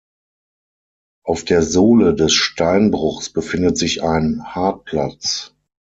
Auf der Sohle des Steinbruchs befindet sich ein Hartplatz.